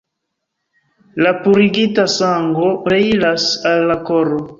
La purigita sango reiras al la koro.